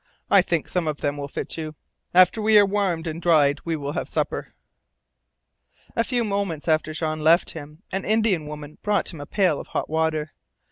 I think some of them will fit you. After we are warmed and dried we will have supper." A few moments after Jean left him an Indian woman brought him a pail of hot water.